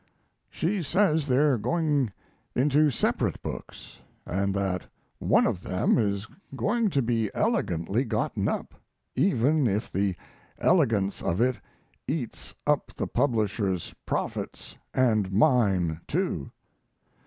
She says they're going into separate books, and that one of them is going to be elegantly gotten up, even if the elegance of it eats up the publisher's profits and mine too.